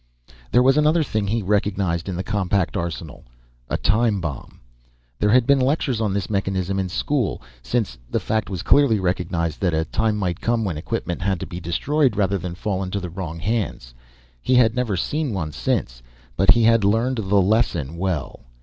There was one other thing he recognized in the compact arsenal a time bomb. There had been lectures on this mechanism in school, since the fact was clearly recognized that a time might come when equipment had to be destroyed rather than fall into the wrong hands. He had never seen one since, but he had learned the lesson well.